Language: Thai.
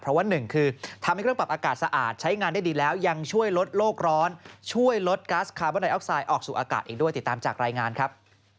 เพราะว่าหนึ่งคือทำให้เครื่องปรับอากาศสะอาดใช้งานได้ดีแล้วยังช่วยลดโลกร้อนช่วยลดก๊าซคาร์บอนไอออกไซด์ออกสู่อากาศอีกด้วยติดตามจากรายงานครับ